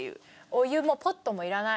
お湯もポットもいらない。